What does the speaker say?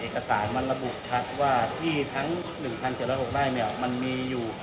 เอกสารมันระบุชัดว่าที่ทั้ง๑๗๐๖ไร่มันมีอยู่